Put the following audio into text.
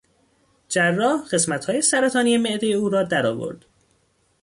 جراح قسمتهای سرطانی معدهی او را درآورد.